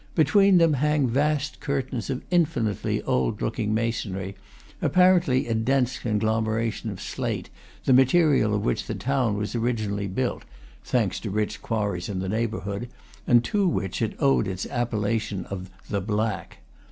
Between them hang vast curtains of infinitely old look ing masonry, apparently a dense conglomeration of slate, the material of which the town was originally built (thanks to rich quarries in the neighborhood), and to which it owed its appellation of the Black.